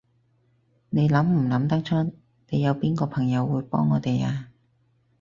你諗唔諗得出，你有邊個朋友會幫我哋啊？